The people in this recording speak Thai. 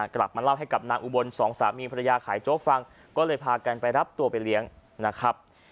กลับมาเล่าให้กับนางอุบลสองสามีภรรยาขายโจ๊กฟังก็เลยพากันไปรับตัวไปเลี้ยงนะครับ